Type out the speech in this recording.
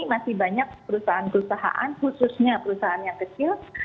masih banyak perusahaan perusahaan khususnya perusahaan yang kecil